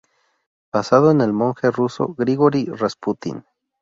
Basado en el monje ruso Grigory Rasputín.